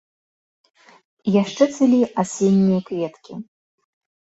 Яшчэ цвілі асеннія кветкі.